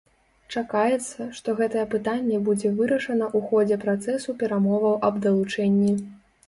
Чакаецца, што гэтае пытанне будзе вырашана ў ходзе працэсу перамоваў аб далучэнні.